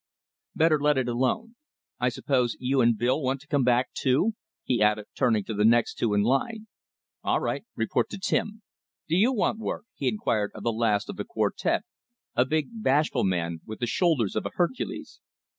"Better let it alone. I suppose you and Bill want to come back, too?" he added, turning to the next two in the line. "All right, report to Tim. Do you want work?" he inquired of the last of the quartette, a big bashful man with the shoulders of a Hercules.